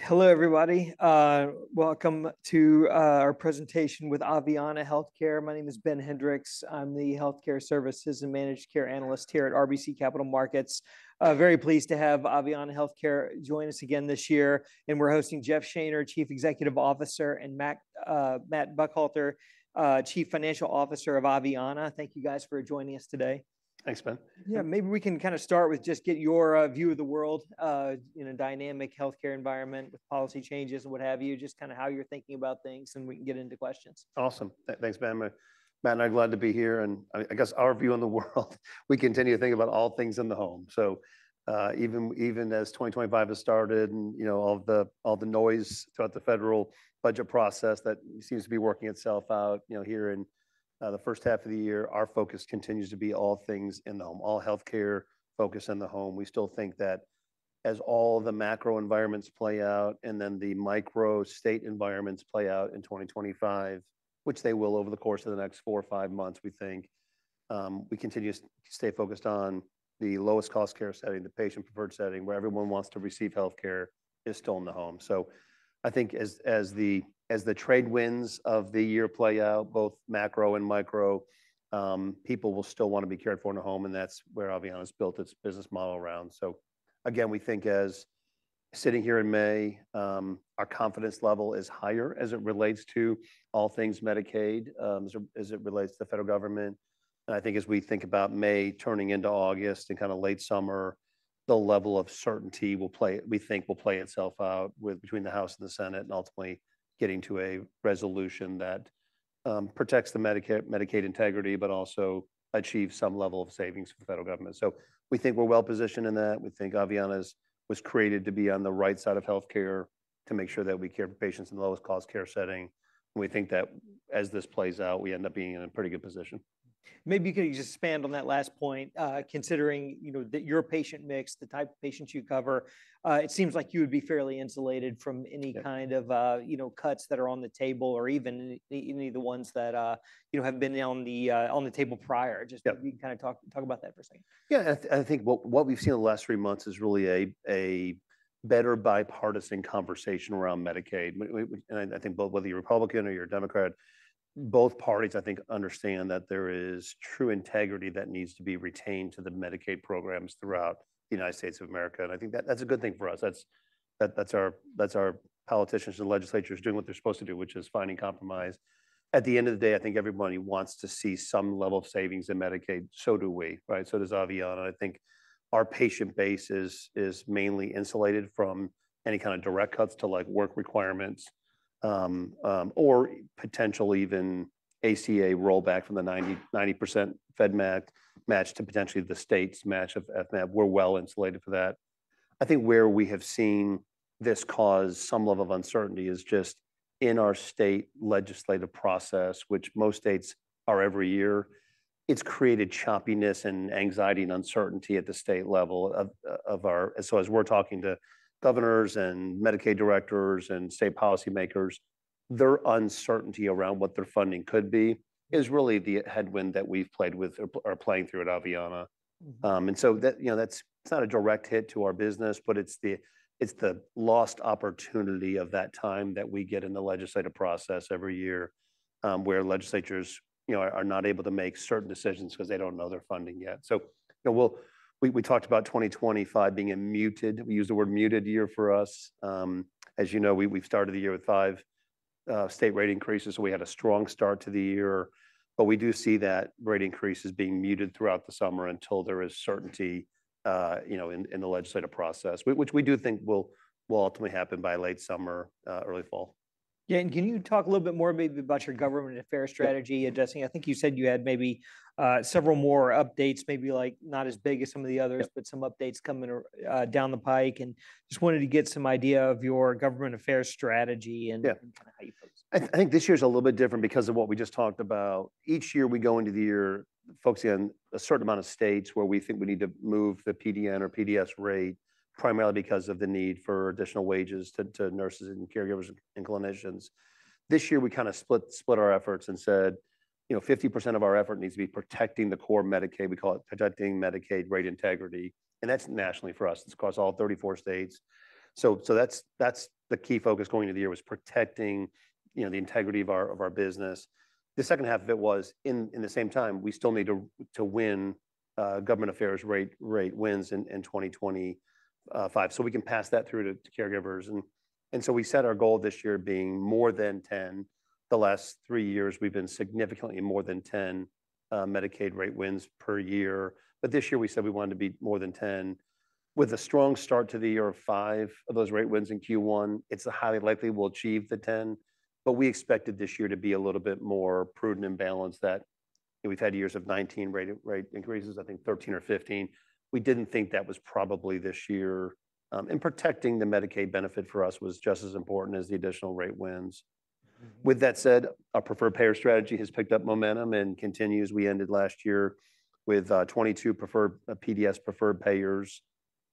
Hello, everybody. Welcome to our presentation with Aveanna Healthcare. My name is Ben Hendrix. I'm the Healthcare Services and Managed Care Analyst here at RBC Capital Markets. Very pleased to have Aveanna Healthcare join us again this year. We are hosting Jeff Shaner, Chief Executive Officer, and Matt Buckhalter, Chief Financial Officer of Aveanna. Thank you, guys, for joining us today. Thanks, Ben. Yeah, maybe we can kind of start with just get your view of the world in a dynamic healthcare environment with policy changes and what have you, just kind of how you're thinking about things, and we can get into questions. Awesome. Thanks, Ben. Matt, I'm glad to be here. I guess our view on the world, we continue to think about all things in the home. Even as 2025 has started and all the noise throughout the federal budget process that seems to be working itself out here in the first half of the year, our focus continues to be all things in the home, all healthcare focus in the home. We still think that as all the macro environments play out and then the micro state environments play out in 2025, which they will over the course of the next four or five months, we think we continue to stay focused on the lowest cost care setting, the patient-preferred setting, where everyone wants to receive healthcare is still in the home. I think as the trade winds of the year play out, both macro and micro, people will still want to be cared for in the home. That's where Aveanna has built its business model around. Again, we think as sitting here in May, our confidence level is higher as it relates to all things Medicaid, as it relates to the federal government. I think as we think about May turning into August and kind of late summer, the level of certainty we think will play itself out between the House and the Senate and ultimately getting to a resolution that protects the Medicaid integrity, but also achieves some level of savings for the federal government. We think we're well positioned in that. We think Aveanna was created to be on the right side of healthcare to make sure that we care for patients in the lowest cost care setting. We think that as this plays out, we end up being in a pretty good position. Maybe you could just expand on that last point. Considering your patient mix, the type of patients you cover, it seems like you would be fairly insulated from any kind of cuts that are on the table or even any of the ones that have been on the table prior. Just you can kind of talk about that for a second. Yeah, I think what we've seen in the last three months is really a better bipartisan conversation around Medicaid. I think both whether you're Republican or you're a Democrat, both parties, I think, understand that there is true integrity that needs to be retained to the Medicaid programs throughout the United States of America. I think that's a good thing for us. That's our politicians and legislators doing what they're supposed to do, which is finding compromise. At the end of the day, I think everybody wants to see some level of savings in Medicaid. So do we, right? So does Aveanna. I think our patient base is mainly insulated from any kind of direct cuts to work requirements or potential even ACA rollback from the 90% FMAP match to potentially the state's match of FMAP. We're well insulated for that. I think where we have seen this cause some level of uncertainty is just in our state legislative process, which most states are every year. It has created choppiness and anxiety and uncertainty at the state level. As we are talking to governors and Medicaid directors and state policymakers, their uncertainty around what their funding could be is really the headwind that we have played with or are playing through at Aveanna. That is not a direct hit to our business, but it is the lost opportunity of that time that we get in the legislative process every year where legislators are not able to make certain decisions because they do not know their funding yet. We talked about 2025 being a muted, we use the word muted year for us. As you know, we have started the year with five state rate increases. We had a strong start to the year. We do see that rate increase is being muted throughout the summer until there is certainty in the legislative process, which we do think will ultimately happen by late summer, early fall. Yeah, and can you talk a little bit more maybe about your government affairs strategy adjusting? I think you said you had maybe several more updates, maybe not as big as some of the others, but some updates coming down the pike. Just wanted to get some idea of your government affairs strategy and kind of how you focus. I think this year is a little bit different because of what we just talked about. Each year we go into the year focusing on a certain amount of states where we think we need to move the PDN or PDS rate primarily because of the need for additional wages to nurses and caregivers and clinicians. This year we kind of split our efforts and said 50% of our effort needs to be protecting the core Medicaid. We call it protecting Medicaid rate integrity. That is nationally for us. It is across all 34 states. That is the key focus going into the year was protecting the integrity of our business. The second half of it was at the same time, we still need to win government affairs rate wins in 2025 so we can pass that through to caregivers. We set our goal this year being more than 10. The last three years we have been significantly more than 10 Medicaid rate wins per year. This year we said we wanted to be more than 10. With a strong start to the year of five of those rate wins in Q1, it is highly likely we will achieve the 10. We expected this year to be a little bit more prudent and balanced. We have had years of 19 rate increases, I think 13 or 15. We did not think that was probably this year. Protecting the Medicaid benefit for us was just as important as the additional rate wins. With that said, our preferred payer strategy has picked up momentum and continues. We ended last year with 22 preferred PDS preferred payers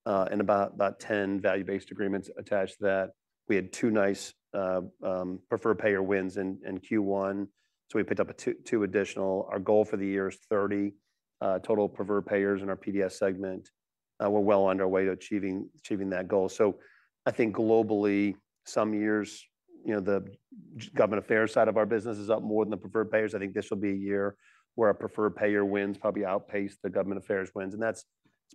and about 10 value-based agreements attached to that. We had two nice preferred payer wins in Q1. We picked up two additional. Our goal for the year is 30 total preferred payers in our PDS segment. We're well on our way to achieving that goal. I think globally, some years, the government affairs side of our business is up more than the preferred payers. I think this will be a year where preferred payer wins probably outpaced the government affairs wins. That's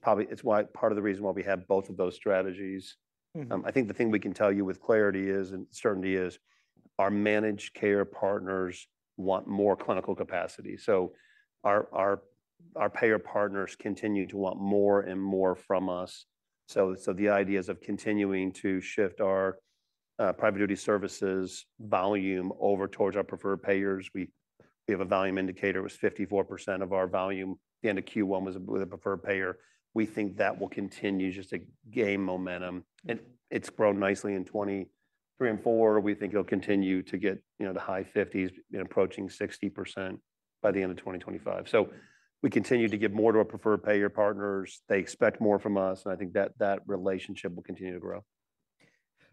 probably part of the reason why we have both of those strategies. The thing we can tell you with clarity and certainty is our managed care partners want more clinical capacity. Our payer partners continue to want more and more from us. The idea is of continuing to shift our private duty services volume over towards our preferred payers. We have a volume indicator was 54% of our volume at the end of Q1 was with a preferred payer. We think that will continue just to gain momentum. It has grown nicely in 2023 and 2024. We think it will continue to get the high 50s and approaching 60% by the end of 2025. We continue to give more to our preferred payer partners. They expect more from us. I think that relationship will continue to grow.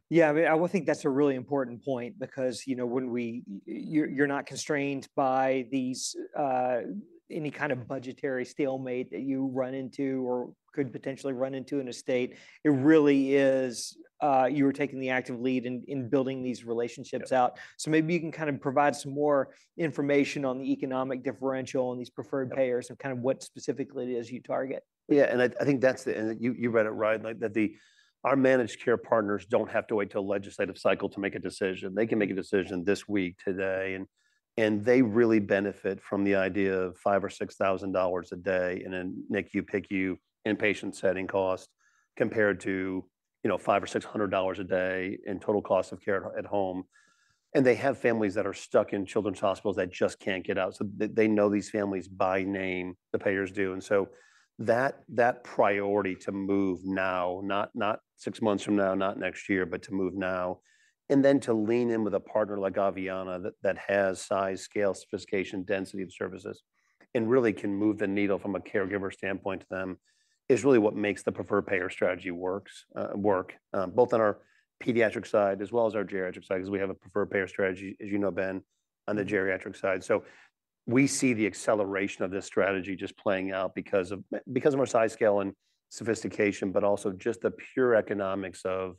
Yeah, I mean, I think that's a really important point because you're not constrained by any kind of budgetary stalemate that you run into or could potentially run into in a state. It really is you're taking the active lead in building these relationships out. Maybe you can kind of provide some more information on the economic differential on these preferred payers and what specifically it is you target. Yeah, and I think that's the, and you read it right, that our managed care partners don't have to wait till a legislative cycle to make a decision. They can make a decision this week, today. They really benefit from the idea of $5,000 or $6,000 a day in a NICU, PICU, inpatient setting cost compared to $500 or $600 a day in total cost of care at home. They have families that are stuck in children's hospitals that just can't get out. They know these families by name, the payers do. That priority to move now, not six months from now, not next year, but to move now, and then to lean in with a partner like Aveanna that has size, scale, sophistication, density of services and really can move the needle from a caregiver standpoint to them is really what makes the preferred payer strategy work, both on our pediatric side as well as our geriatric side because we have a preferred payer strategy, as you know, Ben, on the geriatric side. We see the acceleration of this strategy just playing out because of our size, scale, and sophistication, but also just the pure economics of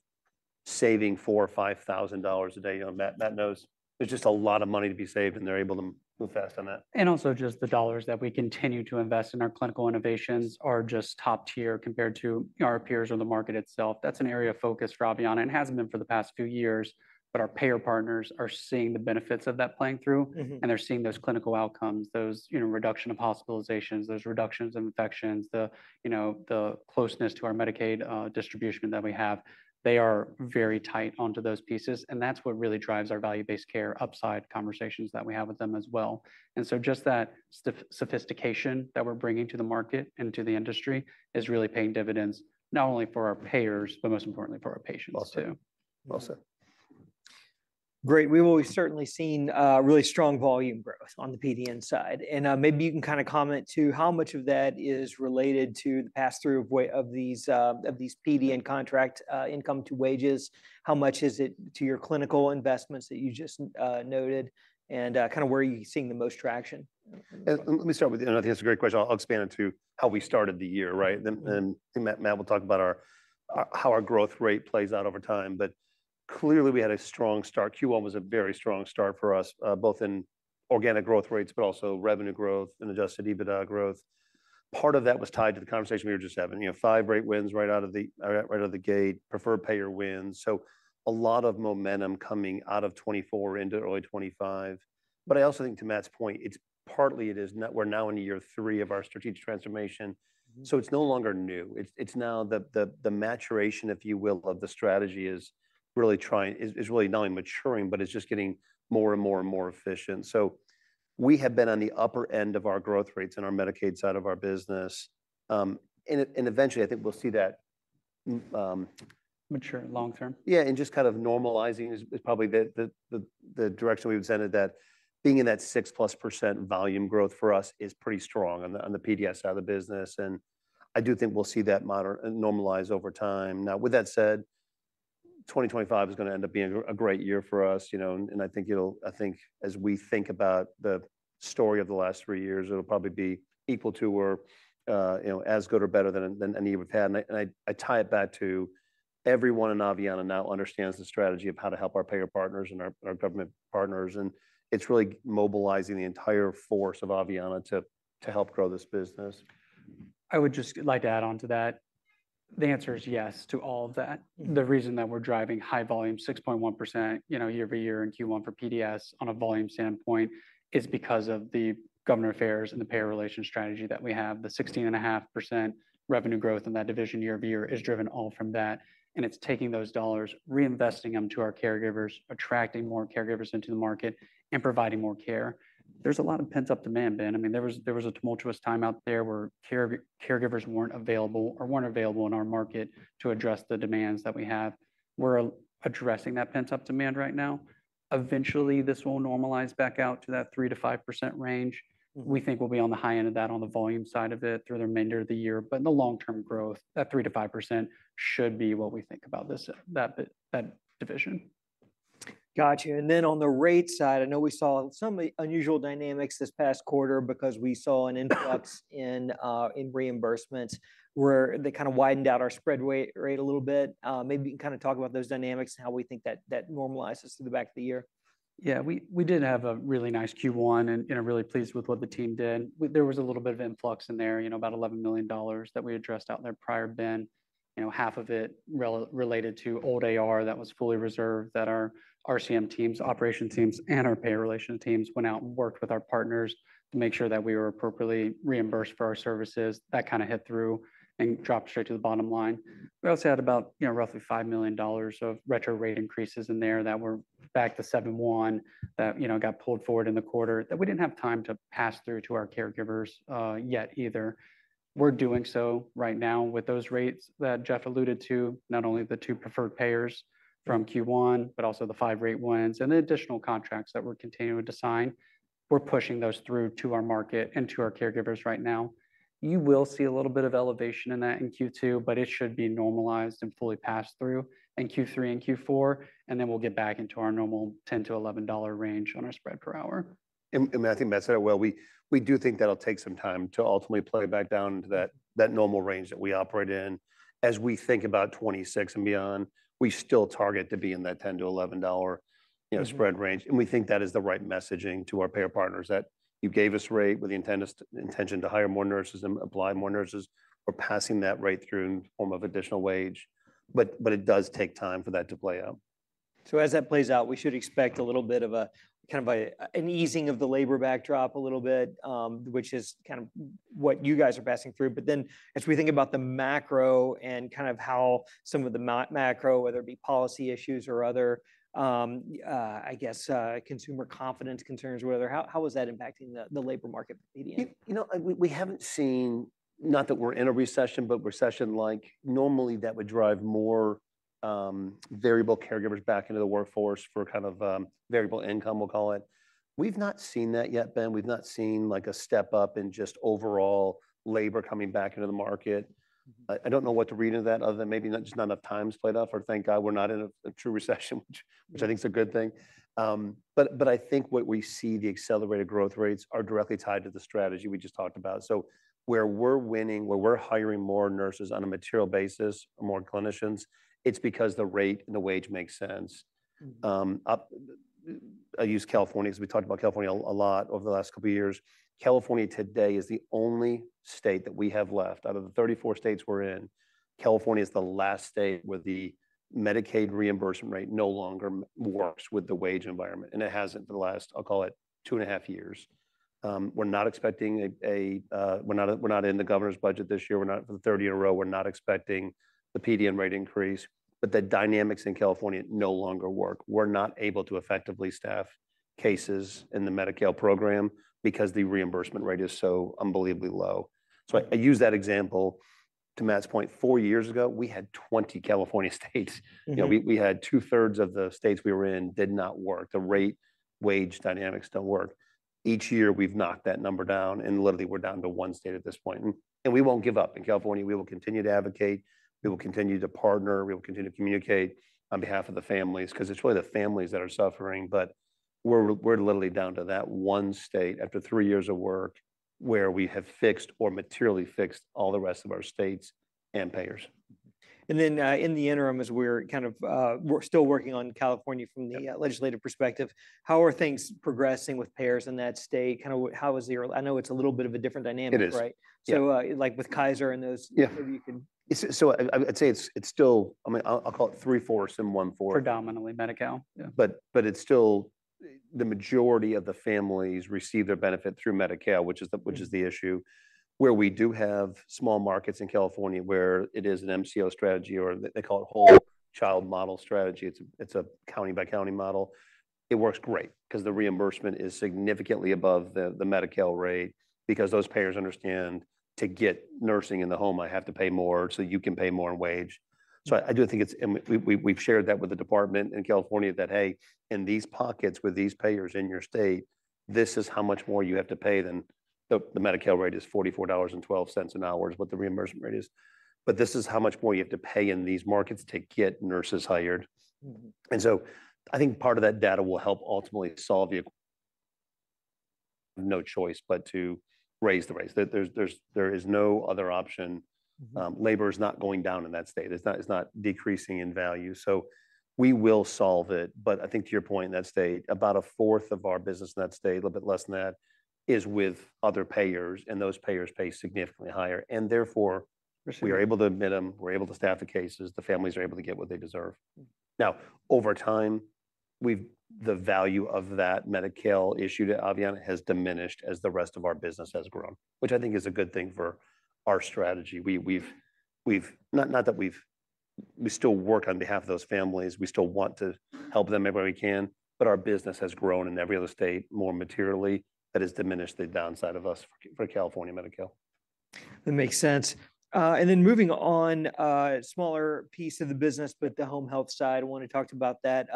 saving $4,000 or $5,000 a day on that note. There is just a lot of money to be saved, and they are able to move fast on that. Also, just the dollars that we continue to invest in our clinical innovations are just top tier compared to our peers or the market itself. That is an area of focus for Aveanna. It has not been for the past few years, but our payer partners are seeing the benefits of that playing through, and they are seeing those clinical outcomes, those reductions of hospitalizations, those reductions of infections, the closeness to our Medicaid distribution that we have. They are very tight onto those pieces. That is what really drives our value-based care upside conversations that we have with them as well. Just that sophistication that we are bringing to the market and to the industry is really paying dividends not only for our payers, but most importantly, for our patients too. Well said. Great. We've always certainly seen really strong volume growth on the PDN side. Maybe you can kind of comment to how much of that is related to the pass-through of these PDN contract income to wages. How much is it to your clinical investments that you just noted and kind of where are you seeing the most traction? Let me start with, and I think that's a great question. I'll expand it to how we started the year, right? And Matt will talk about how our growth rate plays out over time. Clearly, we had a strong start. Q1 was a very strong start for us, both in organic growth rates, but also revenue growth and adjusted EBITDA growth. Part of that was tied to the conversation we were just having. Five rate wins right out of the gate, preferred payer wins. A lot of momentum coming out of 2024 into early 2025. I also think to Matt's point, it's partly it is we're now in year three of our strategic transformation. It's no longer new. It's now the maturation, if you will, of the strategy is really trying, is really not only maturing, but it's just getting more and more and more efficient. We have been on the upper end of our growth rates in our Medicaid side of our business. Eventually, I think we'll see that. Mature long term. Yeah, and just kind of normalizing is probably the direction we've intended. That being in that 6%+ volume growth for us is pretty strong on the PDS side of the business. I do think we'll see that normalize over time. Now, with that said, 2025 is going to end up being a great year for us. I think as we think about the story of the last three years, it'll probably be equal to or as good or better than any we've had. I tie it back to everyone in Aveanna now understands the strategy of how to help our payer partners and our government partners. It's really mobilizing the entire force of Aveanna to help grow this business. I would just like to add on to that. The answer is yes to all of that. The reason that we're driving high volume, 6.1% year over year in Q1 for PDS on a volume standpoint is because of the government affairs and the payer relation strategy that we have. The 16.5% revenue growth in that division year over year is driven all from that. It's taking those dollars, reinvesting them to our caregivers, attracting more caregivers into the market, and providing more care. There's a lot of pent-up demand, Ben. I mean, there was a tumultuous time out there where caregivers weren't available or weren't available in our market to address the demands that we have. We're addressing that pent-up demand right now. Eventually, this will normalize back out to that 3%-5% range. We think we'll be on the high end of that on the volume side of it through the remainder of the year. In the long-term growth, that 3%-5% should be what we think about that division. Gotcha. On the rate side, I know we saw some unusual dynamics this past quarter because we saw an influx in reimbursements where they kind of widened out our spread rate a little bit. Maybe you can kind of talk about those dynamics and how we think that normalizes through the back of the year. Yeah, we did have a really nice Q1 and really pleased with what the team did. There was a little bit of influx in there, about $11 million that we addressed out there prior, Ben. Half of it related to old AR that was fully reserved that our RCM teams, operations teams, and our payer relation teams went out and worked with our partners to make sure that we were appropriately reimbursed for our services. That kind of hit through and dropped straight to the bottom line. We also had about roughly $5 million of retro rate increases in there that were back to 7.1 that got pulled forward in the quarter that we did not have time to pass through to our caregivers yet either. We're doing so right now with those rates that Jeff alluded to, not only the two preferred payers from Q1, but also the five rate wins and the additional contracts that we're continuing to sign. We're pushing those through to our market and to our caregivers right now. You will see a little bit of elevation in that in Q2, but it should be normalized and fully passed through in Q3 and Q4. We will get back into our normal $10-$11 range on our spread per hour. Matthew, Matt said it well. We do think that'll take some time to ultimately play back down to that normal range that we operate in. As we think about 2026 and beyond, we still target to be in that $10-$11 spread range. We think that is the right messaging to our payer partners that you gave us rate with the intention to hire more nurses and apply more nurses. We're passing that rate through in the form of additional wage. It does take time for that to play out. As that plays out, we should expect a little bit of a kind of an easing of the labor backdrop a little bit, which is kind of what you guys are passing through. But then as we think about the macro and kind of how some of the macro, whether it be policy issues or other, I guess, consumer confidence concerns or whatever, how is that impacting the labor market? You know, we haven't seen, not that we're in a recession, but recession-like normally that would drive more variable caregivers back into the workforce for kind of variable income, we'll call it. We've not seen that yet, Ben. We've not seen like a step up in just overall labor coming back into the market. I don't know what to read into that other than maybe just not enough time's played up or thank God we're not in a true recession, which I think is a good thing. I think what we see, the accelerated growth rates are directly tied to the strategy we just talked about. Where we're winning, where we're hiring more nurses on a material basis, more clinicians, it's because the rate and the wage makes sense. I use California because we talked about California a lot over the last couple of years. California today is the only state that we have left out of the 34 states we're in. California is the last state where the Medicaid reimbursement rate no longer works with the wage environment. And it hasn't the last, I'll call it, two and a half years. We're not expecting a, we're not in the governor's budget this year. We're not for the third year in a row. We're not expecting the PDN rate increase. But the dynamics in California no longer work. We're not able to effectively staff cases in the Medi-Cal program because the reimbursement rate is so unbelievably low. So I use that example to Matt's point. Four years ago, we had 20 California states. We had two-thirds of the states we were in did not work. The rate wage dynamics don't work. Each year we've knocked that number down and literally we're down to one state at this point. We won't give up. In California, we will continue to advocate. We will continue to partner. We will continue to communicate on behalf of the families because it's really the families that are suffering. We're literally down to that one state after three years of work where we have fixed or materially fixed all the rest of our states and payers. In the interim, as we're kind of still working on California from the legislative perspective, how are things progressing with payers in that state? Kind of how is the, I know it's a little bit of a different dynamic, right? Like with Kaiser and those, maybe you could. I'd say it's still, I mean, I'll call it three, four, some one, four. Predominantly Medi-Cal. It is still the majority of the families receive their benefit through Medi-Cal, which is the issue. We do have small markets in California where it is an MCO strategy or they call it whole child model strategy. It is a county by county model. It works great because the reimbursement is significantly above the Medi-Cal rate because those payers understand to get nursing in the home, I have to pay more so you can pay more in wage. I do think it is, and we have shared that with the department in California that, hey, in these pockets with these payers in your state, this is how much more you have to pay than the Medi-Cal rate is $44.12 an hour is what the reimbursement rate is. This is how much more you have to pay in these markets to get nurses hired. I think part of that data will help ultimately solve your no choice but to raise the rates. There is no other option. Labor is not going down in that state. It's not decreasing in value. We will solve it. I think to your point in that state, about a fourth of our business in that state, a little bit less than that, is with other payers. Those payers pay significantly higher. Therefore, we are able to admit them. We're able to staff the cases. The families are able to get what they deserve. Over time, the value of that Medi-Cal issue to Aveanna has diminished as the rest of our business has grown, which I think is a good thing for our strategy. Not that we still work on behalf of those families. We still want to help them everywhere we can. Our business has grown in every other state more materially. That has diminished the downside of us for California Medi-Cal. That makes sense. Then moving on, smaller piece of the business, but the home health side, I want to talk to you about that.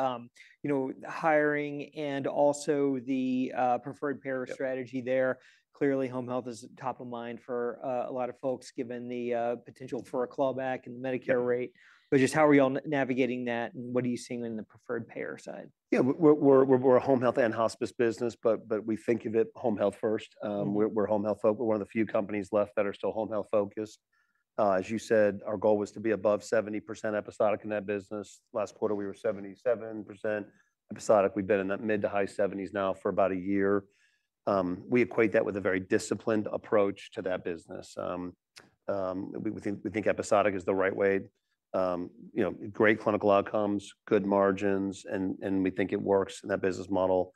Hiring and also the preferred payer strategy there. Clearly, home health is top of mind for a lot of folks given the potential for a clawback in the Medicare rate. Just how are y'all navigating that and what are you seeing in the preferred payer side? Yeah, we're a home health and hospice business, but we think of it home health first. We're home health folk. We're one of the few companies left that are still home health focused. As you said, our goal was to be above 70% episodic in that business. Last quarter, we were 77% episodic. We've been in that mid to high 70s now for about a year. We equate that with a very disciplined approach to that business. We think episodic is the right way. Great clinical outcomes, good margins, and we think it works in that business model.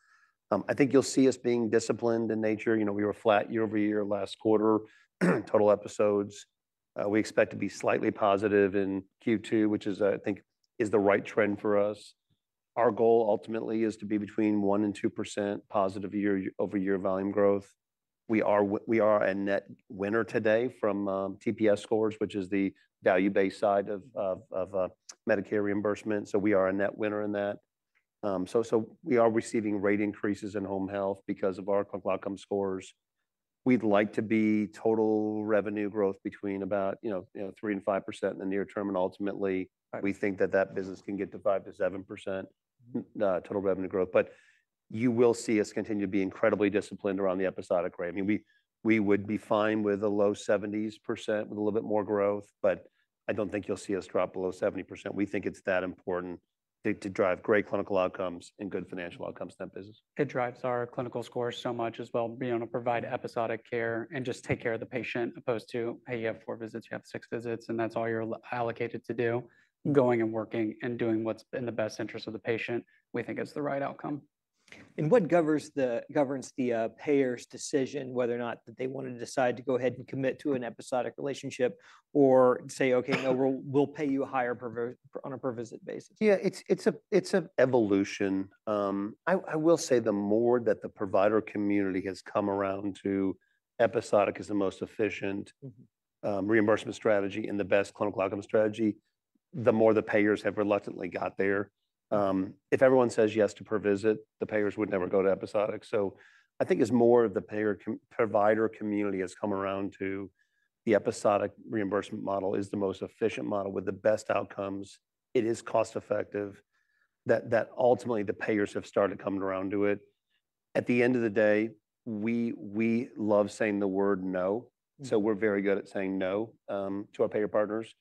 I think you'll see us being disciplined in nature. We were flat year over year last quarter, total episodes. We expect to be slightly positive in Q2, which I think is the right trend for us. Our goal ultimately is to be between 1%-2% positive year over year volume growth. We are a net winner today from TPS scores, which is the value-based side of Medicare reimbursement. We are a net winner in that. We are receiving rate increases in home health because of our clinical outcome scores. We'd like to be total revenue growth between about 3% and 5% in the near term. Ultimately, we think that that business can get to 5%-7% total revenue growth. You will see us continue to be incredibly disciplined around the episodic rate. I mean, we would be fine with a low 70% with a little bit more growth, but I don't think you'll see us drop below 70%. We think it's that important to drive great clinical outcomes and good financial outcomes in that business. It drives our clinical scores so much as well. We want to provide episodic care and just take care of the patient opposed to, hey, you have four visits, you have six visits, and that's all you're allocated to do, going and working and doing what's in the best interest of the patient. We think it's the right outcome. What governs the payer's decision, whether or not they want to decide to go ahead and commit to an episodic relationship or say, okay, no, we'll pay you a higher honor per visit basis? Yeah, it's an evolution. I will say the more that the provider community has come around to episodic as the most efficient reimbursement strategy and the best clinical outcome strategy, the more the payers have reluctantly got there. If everyone says yes to per visit, the payers would never go to episodic. I think as more of the provider community has come around to the episodic reimbursement model as the most efficient model with the best outcomes, it is cost-effective that ultimately the payers have started coming around to it. At the end of the day, we love saying the word no. We are very good at saying no to our payer partners.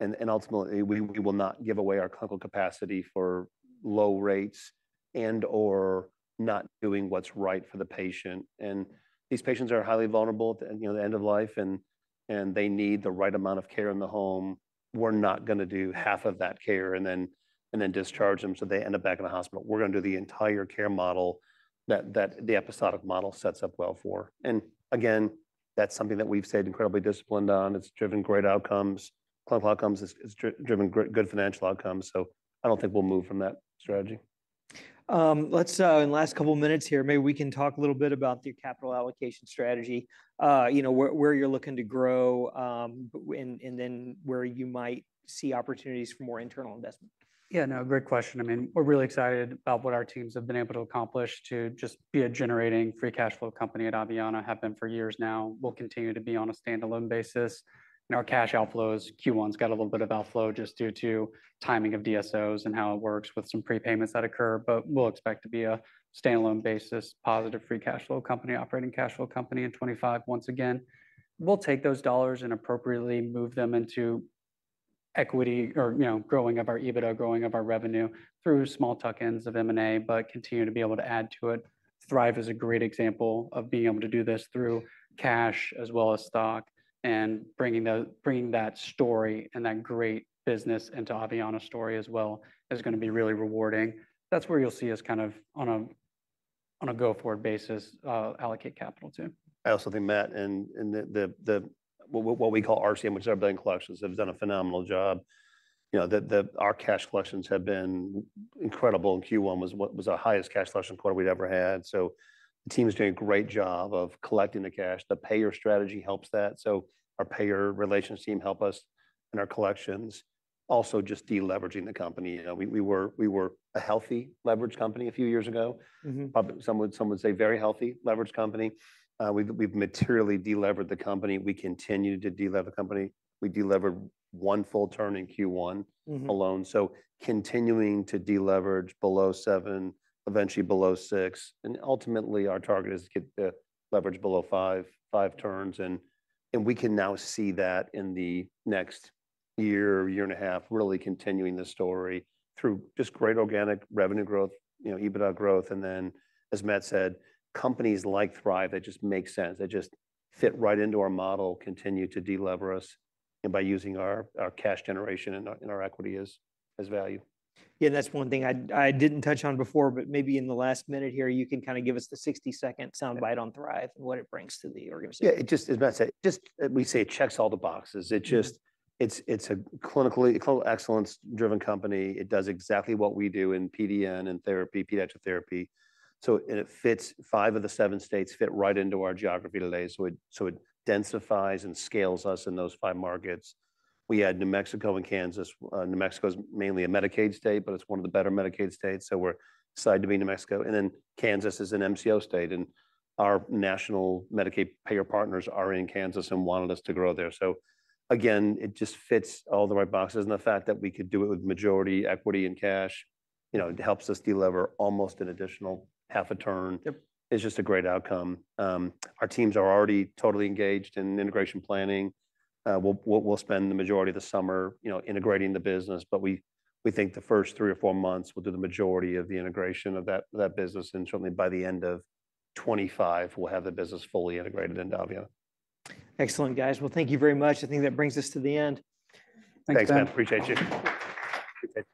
Ultimately, we will not give away our clinical capacity for low rates and/or not doing what's right for the patient. These patients are highly vulnerable at the end of life, and they need the right amount of care in the home. We're not going to do half of that care and then discharge them so they end up back in the hospital. We're going to do the entire care model that the episodic model sets up well for. Again, that's something that we've stayed incredibly disciplined on. It's driven great outcomes. Clinical outcomes has driven good financial outcomes. I don't think we'll move from that strategy. Let's, in the last couple of minutes here, maybe we can talk a little bit about the capital allocation strategy, where you're looking to grow and then where you might see opportunities for more internal investment. Yeah, no, great question. I mean, we're really excited about what our teams have been able to accomplish to just be a generating free cash flow company at Aveanna. Have been for years now. We'll continue to be on a standalone basis. Our cash outflows, Q1's got a little bit of outflow just due to timing of DSOs and how it works with some prepayments that occur. We'll expect to be a standalone basis, positive free cash flow company, operating cash flow company in 2025 once again. We'll take those dollars and appropriately move them into equity or growing of our EBITDA, growing of our revenue through small tuck-ins of M&A, but continue to be able to add to it. Thrive is a great example of being able to do this through cash as well as stock and bringing that story and that great business into Aveanna story as well is going to be really rewarding. That is where you'll see us kind of on a go-forward basis allocate capital to. I also think Matt and what we call RCM, which is our billing collections, have done a phenomenal job. Our cash collections have been incredible. Q1 was the highest cash collection quarter we'd ever had. The team is doing a great job of collecting the cash. The payer strategy helps that. Our payer relations team help us in our collections. Also just deleveraging the company. We were a healthy leveraged company a few years ago. Some would say very healthy leveraged company. We've materially deleveraged the company. We continue to deleverage the company. We delivered one full turn in Q1 alone. Continuing to deleverage below seven, eventually below six. Ultimately, our target is to get the leverage below five turns. We can now see that in the next year, year and a half, really continuing the story through just great organic revenue growth, EBITDA growth. As Matt said, companies like Thrive, it just makes sense. They just fit right into our model, continue to deleverage us by using our cash generation and our equity as value. Yeah, that's one thing I didn't touch on before, but maybe in the last minute here, you can kind of give us the 60-second soundbite on Thrive and what it brings to the organization. Yeah, just as Matt said, we say it checks all the boxes. It's a clinical excellence-driven company. It does exactly what we do in PDN and therapy, pediatric therapy. It fits five of the seven states right into our geography today. It densifies and scales us in those five markets. We add New Mexico and Kansas. New Mexico is mainly a Medicaid state, but it's one of the better Medicaid states. We're excited to be in New Mexico. Kansas is an MCO state. Our national Medicaid payer partners are in Kansas and wanted us to grow there. It just fits all the right boxes. The fact that we could do it with majority equity and cash helps us deliver almost an additional half a turn. It's just a great outcome. Our teams are already totally engaged in integration planning. We'll spend the majority of the summer integrating the business. We think the first three or four months, we'll do the majority of the integration of that business. Certainly by the end of 2025, we'll have the business fully integrated into Aveanna. Excellent, guys. Thank you very much. I think that brings us to the end. Thanks, Matt. Appreciate you.